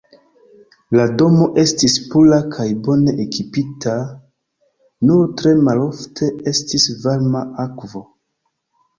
La domo estis pura kaj bone ekipita, nur tre malofte estis varma akvo.